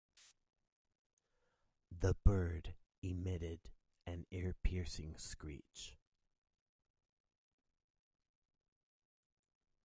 The bird emitted an ear-piercing screech.